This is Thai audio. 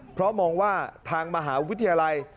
เพราะมองว่าทางมหาวิทยาลัย